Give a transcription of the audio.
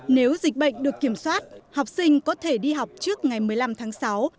nếu dịch bệnh được kiểm soát học sinh có thể đi học trước ngày một mươi năm tháng sáu